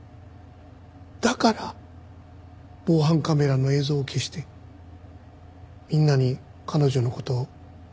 だから防犯カメラの映像を消してみんなに彼女の事を口止めした。